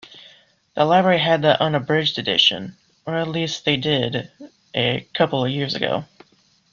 The library have the unabridged edition, or at least they did a couple of years ago.